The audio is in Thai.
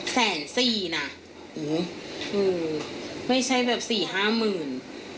แสนสี่เนี่ยไม่ใช่แบบสี่ห้ามื่น